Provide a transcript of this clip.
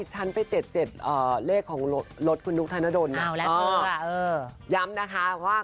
ฉันไปเจ็ดเลขของลดคุณลุคธนดนตร์อะอะอ่าย้ำนะคะว่า